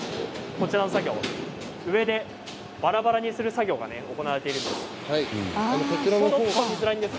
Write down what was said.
上で、バラバラにする作業が行われているんです。